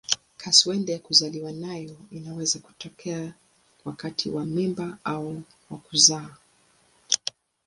Kaswende ya kuzaliwa nayo inaweza kutokea wakati wa mimba au wa kuzaa.